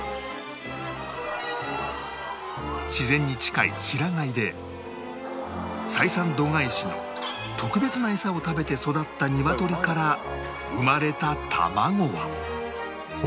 自然に近い平飼いで採算度外視の特別なエサを食べて育ったニワトリから生まれた卵は